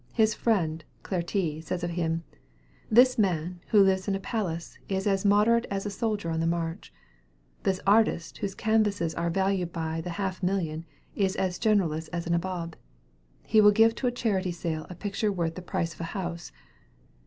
His friend, Claretie, says of him, "This man, who lives in a palace, is as moderate as a soldier on the march. This artist, whose canvases are valued by the half million, is as generous as a nabob. He will give to a charity sale a picture worth the price of a house.